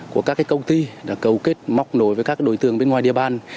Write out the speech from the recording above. của các công ty đã cầu kết móc nổi với các đối tượng bên ngoài địa bàn